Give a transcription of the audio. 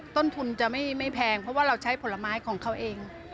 ต้นทุนจะไม่แพงเพราะว่าเราใช้ผลไม้ของเขาเอง